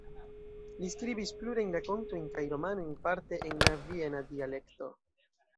Li skribis plurajn rakontojn kaj romanojn, parte en la viena dialekto.